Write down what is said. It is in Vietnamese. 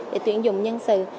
để tuyển dụng nhân sự